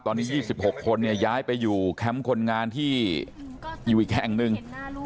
ตอนนี้๒๖คนเนี่ยย้ายไปอยู่แคมป์คนงานที่อยู่อีกแห่งหนึ่ง